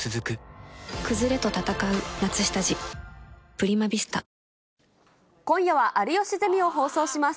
ぷはーっ今夜は有吉ゼミを放送します。